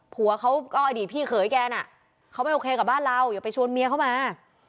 ผัวเขาก็อดีตพี่เขยแกน่ะเขาไม่โอเคกับบ้านเราอย่าไปชวนเมียเขามา